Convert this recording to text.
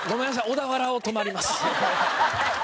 小田原を止まります」。